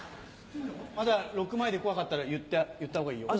まだ６枚で怖かったら言ったほうがいいよ。